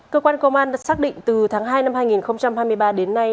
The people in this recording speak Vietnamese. cơ quan công an xác định từ tháng hai năm hai nghìn hai mươi ba đến nay